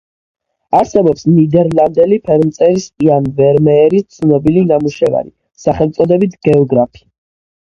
არსებობს ნიდერლანდელი ფერმწერის იან ვერმეერის ცნობილი ნამუშევარი სახელწოდებით „გეოგრაფი“.